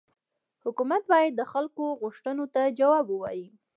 حکومت باید د خلکو غوښتنو ته جواب ووايي.